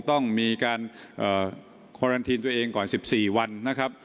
ต้องมีการคอรันทีนตัวเองก่อน๑๔วันนะครับ